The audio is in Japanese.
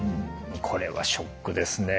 これはショックですね。